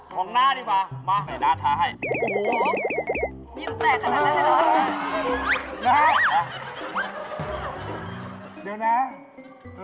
ของหน้าดิวะมาส่งให้หน้าทาให้